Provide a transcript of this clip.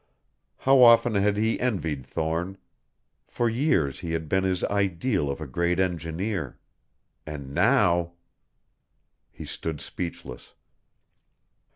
How often had he envied Thorne! For years he had been his ideal of a great engineer. And now He stood speechless.